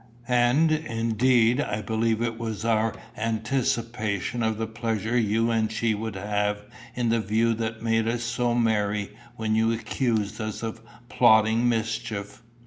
And, indeed, I believe it was our anticipation of the pleasure you and she would have in the view that made us so merry when you accused us of plotting mischief."